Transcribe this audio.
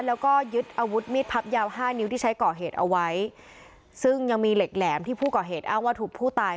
แล้วก็ยึดอาวุธมีดพับยาวห้านิ้วที่ใช้ก่อเหตุเอาไว้ซึ่งยังมีเหล็กแหลมที่ผู้ก่อเหตุอ้างว่าถูกผู้ตาย